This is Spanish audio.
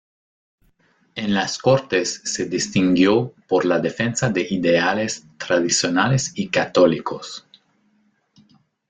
En las Cortes se distinguió por la defensa de ideales tradicionales y católicos.